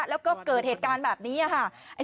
แล้วก็เกิดเหตุการณ์แบบนี้ค่ะ